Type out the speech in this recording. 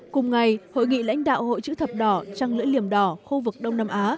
cùng ngày hội nghị lãnh đạo hội chữ thập đỏ trăng lưỡi liềm đỏ khu vực đông nam á